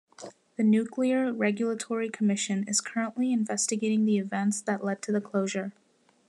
The Nuclear Regulatory Commission is currently investigating the events that led to the closure.